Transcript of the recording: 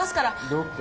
どこ？